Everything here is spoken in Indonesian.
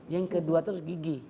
yang kedua itu gigih